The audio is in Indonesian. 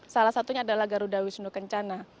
salah satunya adalah garuda wisnu kencana